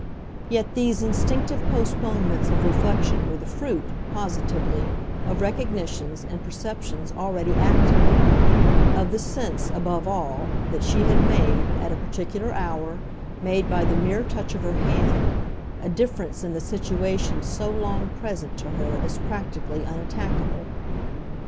Yet these instinctive postponements of reflection were the fruit, positively, of recognitions and perceptions already active; of the sense, above all, that she had made, at a particular hour, made by the mere touch of her hand, a difference in the situation so long present to her as practically unattackable.